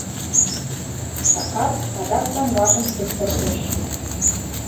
Сакар адак саҥгажым куптыртыш.